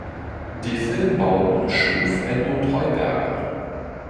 Die Filmbauten schuf Edmund Heuberger.